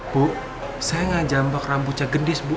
bu saya ngejambak rambutnya gendis bu